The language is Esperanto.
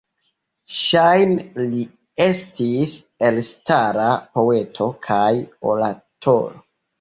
Ŝajne li estis elstara poeto kaj oratoro.